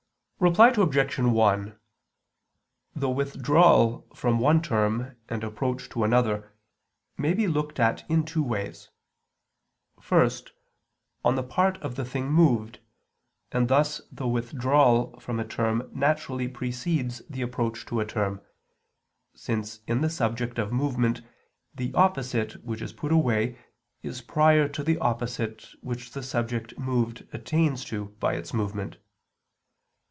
Reply Obj. 1: The withdrawal from one term and approach to another may be looked at in two ways: first, on the part of the thing moved, and thus the withdrawal from a term naturally precedes the approach to a term, since in the subject of movement the opposite which is put away is prior to the opposite which the subject moved attains to by its movement.